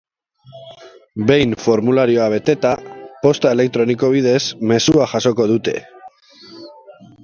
Behin formularioa beteta, posta elektroniko bidez, mezua jasoko dute.